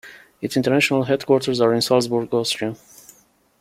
Its international headquarters are in Salzburg, Austria.